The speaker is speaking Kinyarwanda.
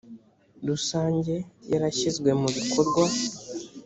rusange yarashyizwe mubikorwa